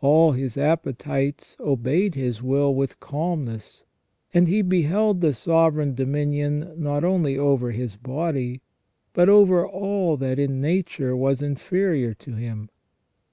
All his appetites obeyed his will with calmness, and he held the sovereign dominion not only over his body, but over all that in Nature was inferior to himself.